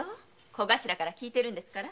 小頭から聞いてますから。